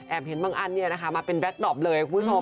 แอบเห็นบางอันนี้นะคะมาเป็นแบล็กดอปเลยคุณผู้ชม